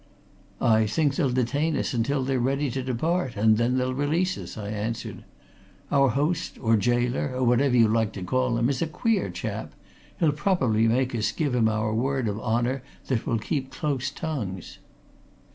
"I think they'll detain us until they're ready to depart, and then they'll release us," I answered. "Our host, or jailor, or whatever you like to call him, is a queer chap he'll probably make us give him our word of honour that we'll keep close tongues."